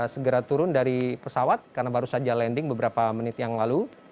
segera turun dari pesawat karena baru saja landing beberapa menit yang lalu